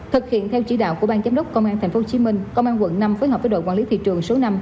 thực hiện theo chỉ đạo của bang giám đốc công an tp hcm công an quận năm phối hợp với đội quản lý thị trường số năm